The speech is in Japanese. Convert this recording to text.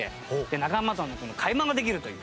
仲間との会話もできるという。